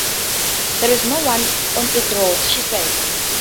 "There's no one on this road," she said.